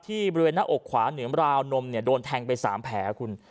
บริเวณหน้าอกขวาเหนือราวนมโดนแทงไป๓แผลคุณ